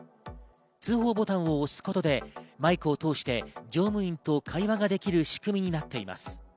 通報ボタンを押すことでマイクを通して乗務員と会話ができる仕組みになっています。